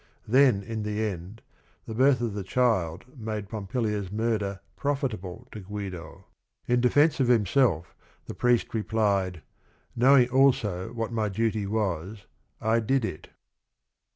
Then, in the end, the birth of the child made Pompilia's murder profitable to Guido. In de fence of himself the priest replied, "Knowing also what my duty was, I did it."